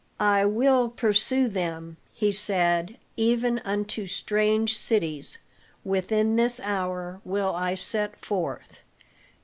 "I will pursue them," he said, "even unto strange cities. Within this hour will I set forth."